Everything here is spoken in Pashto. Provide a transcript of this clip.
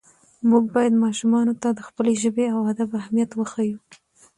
موږ باید ماشومانو ته د خپلې ژبې او ادب اهمیت وښیو